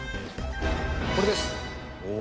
これです。